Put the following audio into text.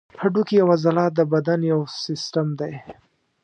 هډوکي او عضلات د بدن یو سیستم دی.